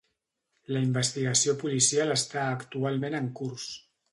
La investigació policial està actualment en curs.